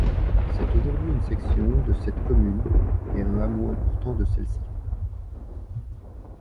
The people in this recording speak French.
C'est aujourd'hui une section de cette commune et un hameau important de celle-ci.